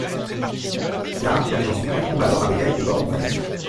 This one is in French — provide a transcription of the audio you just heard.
Kiara, protégeant son père, tombe alors avec elle au bord d'une falaise.